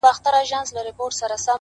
زور يې نه وو برابر له وزيرانو!!